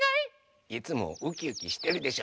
いつもウキウキしてるでしょ！